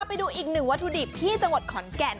ไปดูอีกหนึ่งวัตถุดิบที่จังหวัดขอนแก่น